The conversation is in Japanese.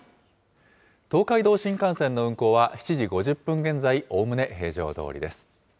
東海道新幹線の運行は７時５０分現在、おおむね平常どおりです。